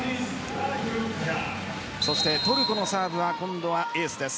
トルコのサーブは今度はエースです。